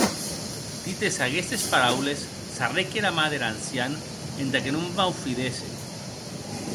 Dites aguestes paraules, sarrèc era man der ancian entà que non maufidèsse.